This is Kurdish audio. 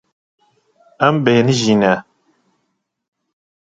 Em bêhnijîne.